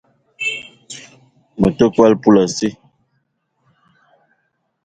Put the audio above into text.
Me te kwal poulassi